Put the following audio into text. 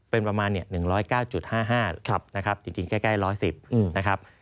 เป็นประมาณ๑๐๙๕๕นะครับจริงใกล้๑๑๐นะครับ